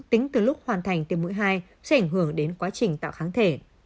tính từ lúc hoàn thành tiêm mũi hai sẽ ảnh hưởng đến quá trình tạo kháng thể